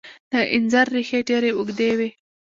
د انځر ریښې ډیرې اوږدې وي.